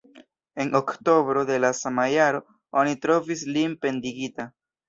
En oktobro de la sama jaro oni trovis lin pendigita.